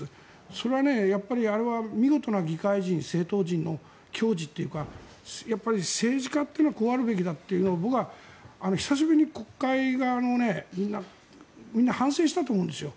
それはあれは見事な議会人、政党人の矜持というかやっぱり政治家というのはこうあるべきだというのを僕は久しぶりに国会がみんな反省したと思うんですよ。